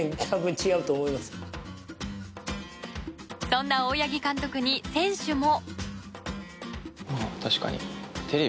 そんな大八木監督に選手も。